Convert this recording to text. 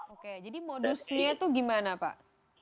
oke jadi modusnya itu gimana pak